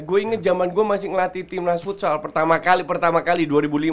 gue inget zaman gue masih ngelatih timnas futsal pertama kali pertama kali dua ribu lima